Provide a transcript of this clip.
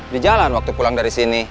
di jalan waktu pulang dari sini